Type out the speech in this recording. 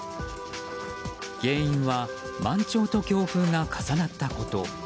原因は満潮と強風が重なったこと。